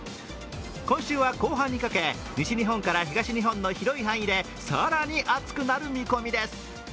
今週は後半にかけ西日本から東日本の広い範囲で更に暑くなる見込みです。